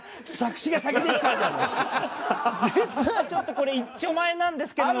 実はちょっとこれいっちょまえなんですけども。